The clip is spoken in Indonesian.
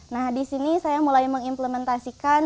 nah di sini saya mulai mengimplementasikan